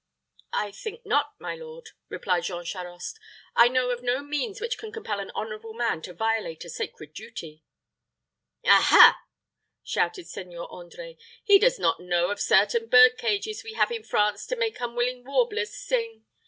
"I think not, my lord," replied Jean Charost; "I know of no means which can compel an honorable man to violate a sacred duty." "Ha, ha!" shouted Seigneur André; "he does not know of certain bird cages we have in France to make unwilling warblers sing.